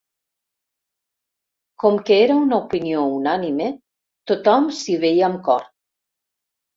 Com que era una opinió unànime, tothom s'hi veia amb cor.